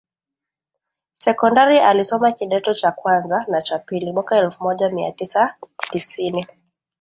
sekondari Alisoma kidato cha kwanza na cha pili mwaka elfu moja mia tisa tisini